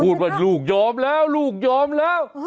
พูดว่าลูกยอมแล้วลูกยอมแล้ว